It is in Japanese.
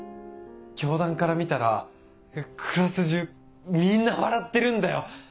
教壇から見たらクラス中みんな笑ってるんだよ。